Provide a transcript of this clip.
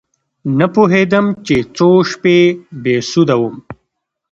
نه پوهېدم چې څو شپې بې سده وم.